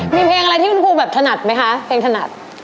มีเพลงอะไรที่คุณครูแบบถนัดไหมคะเพลงถนัด